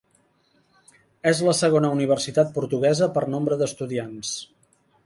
És la segona universitat portuguesa per nombre d'estudiants.